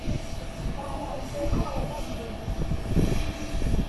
ხორასანში მეფობდა დიდებული,